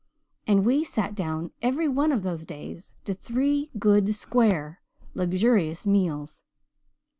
And we sat down every one of those days to three good square luxurious meals!